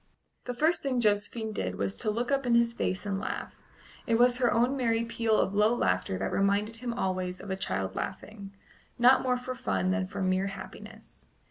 The first thing Josephine did was to look up in his face and laugh; it was her own merry peal of low laughter that reminded him always of a child laughing, not more for fun than for mere happiness.